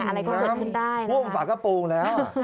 อะไรก็เกิดขึ้นได้หุ้มฝากระโปรงแล้ว